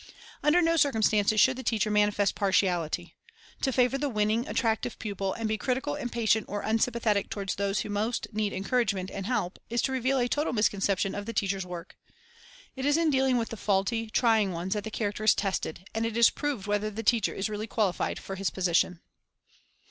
Under no circumstances should the teacher manifest partiality. To favor the winning, attractive pupil, and be critical, impatient, or unsympathetic toward those who most need encouragement and help, is to reveal a total misconception of the teacher's work. It is in dealing with the faulty, trying ones that the character is tested, and it is proved whether the teacher is really qualified for his position.